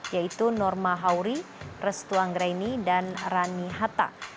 yaitu norma hauri restuang reini dan rani hatta